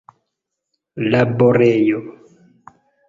laborejo